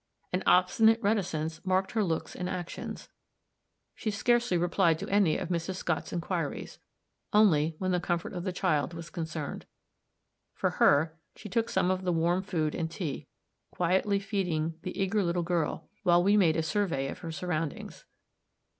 An obstinate reticence marked her looks and actions; she scarcely replied to any of Mrs. Scott's inquiries only, when the comfort of the child was concerned. For her she took some of the warm food and tea, quietly feeding the eager little girl, while we made a survey of her surroundings.